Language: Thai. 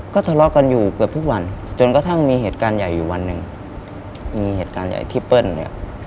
เกมหนึ่งแสดงเหตุการณ์ใหญ่ที่เปิ้ล